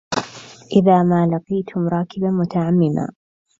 إذا ما لقيتم راكبا متعمما